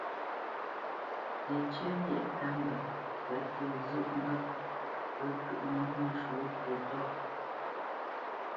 Yecyə̂ lyêʼ ta mbə kətsi zhôʼ ŋgâʼ pə́ kyə̂ʼnə́ nəshwɔ̌ fwo ntóʼ.